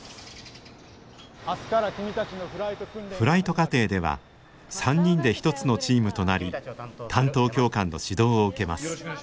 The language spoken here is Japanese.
フライト課程では３人で一つのチームとなり担当教官の指導を受けます。